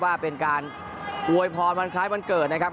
ว่าเป็นการอวยพรวันคล้ายวันเกิดนะครับ